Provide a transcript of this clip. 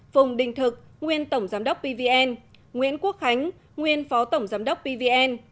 phùng đình thực nguyên tổng giám đốc pvn nguyễn quốc khánh nguyên phó tổng giám đốc pvn